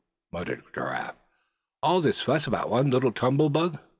muttered Giraffe, "and all this fuss about one little tumble bug!"